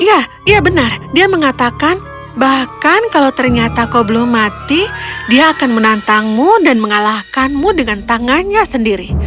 iya iya benar dia mengatakan bahkan kalau ternyata kau belum mati dia akan menantangmu dan mengalahkanmu dengan tangannya sendiri